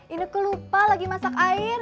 ineku lupa lagi masak air